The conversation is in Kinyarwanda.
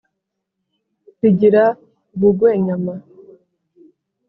rigira ubugwenyama,